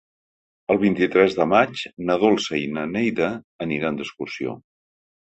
El vint-i-tres de maig na Dolça i na Neida aniran d'excursió.